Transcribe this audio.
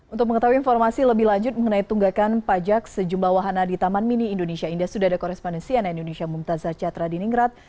untuk mengetahui informasi lebih lanjut mengenai tunggakan pajak sejumlah wahana di taman mini indonesia indah sudah ada korespondensi ana indonesia mumtazah catra di ningrat